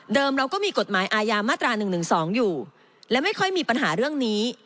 เราก็มีกฎหมายอาญามาตรา๑๑๒อยู่และไม่ค่อยมีปัญหาเรื่องนี้